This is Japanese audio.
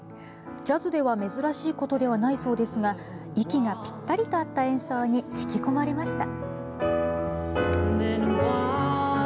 ジャズでは珍しいことではないそうですが息がぴったりと合った演奏に引き込まれました。